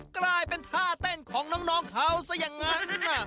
กลายเป็นท่าเต้นของน้องเขาซะอย่างนั้น